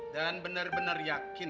dan benar benar yakin